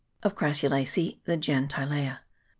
Of Orassulacece the gen. Tillaea.